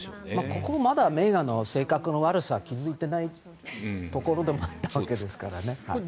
ここはまだメーガンの性格の悪さに気付いてないところでもあったわけですからね。